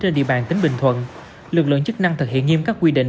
trên địa bàn tỉnh bình thuận lực lượng chức năng thực hiện nghiêm các quy định